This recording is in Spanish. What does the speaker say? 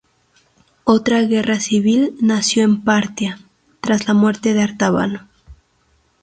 Otra guerra civil nació en Partia tras la muerte de Artabano.